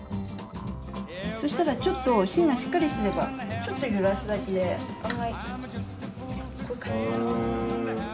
そしたらちょっと芯がしっかりしてればちょっと揺らすだけで案外こういう感じで。